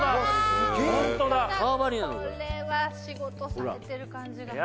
「これは仕事されてる感じが」